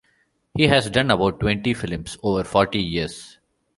He has done about twenty films over forty years.